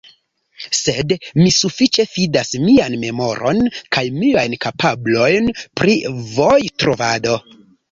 Sed mi sufiĉe fidas mian memoron kaj miajn kapablojn pri vojtrovado.